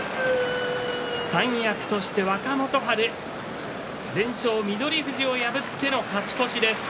三役として若元春全勝、翠富士を破っての勝ち越しです。